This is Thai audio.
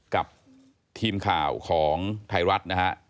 กับทีมข่าวของไทยรัฐนะฮะ